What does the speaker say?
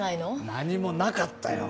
何にもなかったよ。